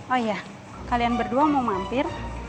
oh iya kalian berdua mau mampir